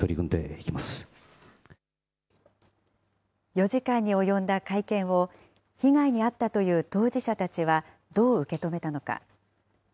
４時間に及んだ会見を、被害に遭ったという当事者たちはどう受け止めたのか。